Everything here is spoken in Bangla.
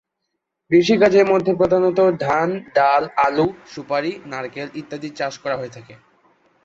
কৃষি কাজের মধ্যে প্রধানত ধান, ডাল, আলু, সুপারি, নারকেল ইত্যাদির চাষ করা হয়ে থাকে।